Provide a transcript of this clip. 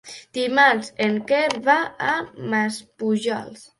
Dimarts en Quer va a Maspujols.